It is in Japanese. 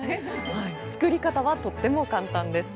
作り方はとっても簡単です。